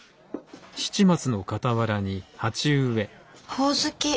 ほおずき。